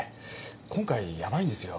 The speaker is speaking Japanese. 今回ヤバいんですよ